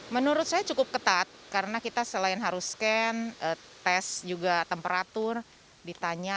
menurut saya cukup ketat karena kita selain harus scan tes juga temperatur ditanya